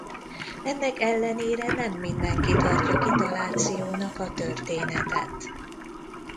Ennek ellenére nem mindenki tartja kitalációnak a történetet.